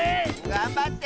がんばって！